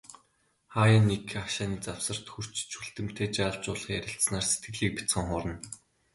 Хааяа нэгхэн, хашааны завсарт хүрч, Чүлтэмтэй жаал жуулхан ярилцсанаар сэтгэлийг бяцхан хуурна.